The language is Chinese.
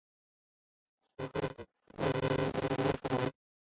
阮福澜。